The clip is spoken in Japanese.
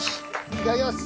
いただきます。